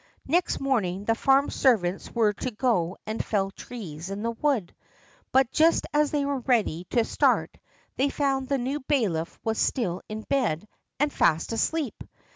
Next morning the farm servants were to go and fell trees in the wood, but just as they were ready to start they found the new bailiff was still in bed and fast asleep.